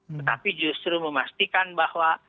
tetapi justru memastikan bahwa